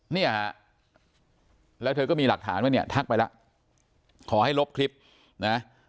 เนี่ยฮะแล้วเธอก็มีหลักฐานว่าเนี่ยทักไปแล้วขอให้ลบคลิปนะ